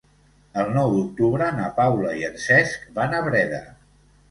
El nou d'octubre na Paula i en Cesc van a Breda.